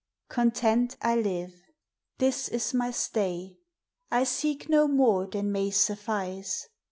Content I live ; this is my stay, — I seek no more? than may suffice.